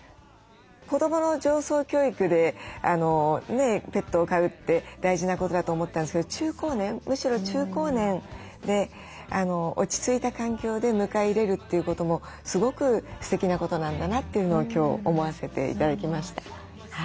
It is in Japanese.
子どもの情操教育でペットを飼うって大事なことだと思ったんですけど中高年むしろ中高年で落ち着いた環境で迎え入れるということもすごくすてきなことなんだなというのを今日思わせて頂きました。